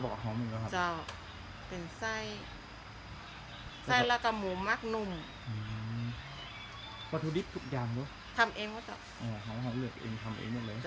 อาจะเป็นไซ่ตุ๋นเน่อะ